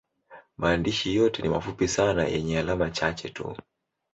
Maandishi yote ni mafupi sana yenye alama chache tu.